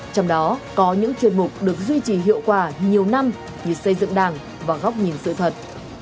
trong đó có những chuyên mục được duy trì hiệu quả nhiều năm như xây dựng đảng và góc nhìn sự thật